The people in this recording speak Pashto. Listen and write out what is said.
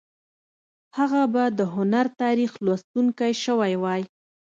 هغه به د هنر تاریخ لوستونکی شوی وای